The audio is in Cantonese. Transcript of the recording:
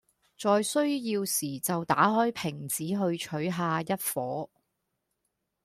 在需要時就打開瓶子去取下一夥